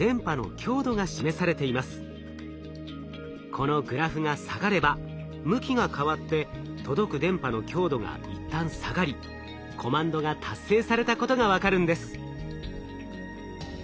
このグラフが下がれば向きが変わって届く電波の強度が一旦下がりコマンドが達成されたことが分かるんです。